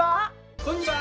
こんにちは。